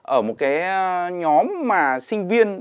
ở một cái nhóm mà sinh viên